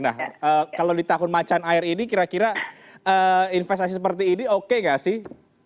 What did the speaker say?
nah kalau di tahun macan air ini kira kira investasi seperti ini oke nggak sih